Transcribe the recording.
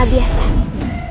kamu benar benar kaya aku